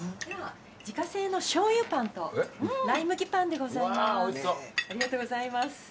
自家製のしょうゆパンとライ麦パンでございます。